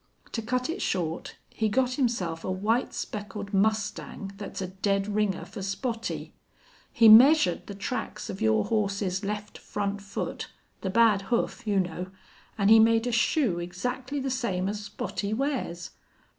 To cut it short he got himself a white speckled mustang that's a dead ringer for Spottie. He measured the tracks of your horse's left front foot the bad hoof, you know, an' he made a shoe exactly the same as Spottie wears.